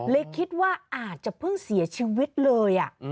คิดว่าอาจจะเพิ่งเสียชีวิตเลย